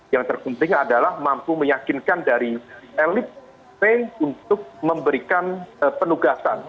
yang terpenting adalah mampu meyakinkan dari elit p untuk memberikan penugasan